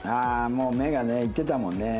もう目がねいってたもんね